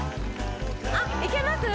あっいけます？